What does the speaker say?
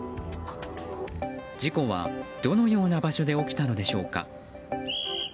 事故はどのような場所で起きたのでしょうか。